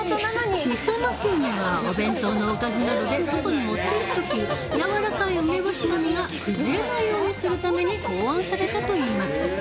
しそ巻梅はお弁当のおかずなどで外に持っていくときやわらかい梅干しの実が崩れないようにするために考案されたといいます。